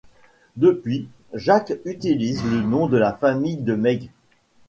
Depuis, Jack utilise le nom de famille de Meg.